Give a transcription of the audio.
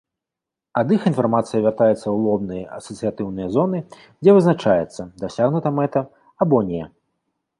Ад іх інфармацыя вяртаецца ў лобныя асацыятыўныя зоны, дзе вызначаецца, дасягнута мэта або не.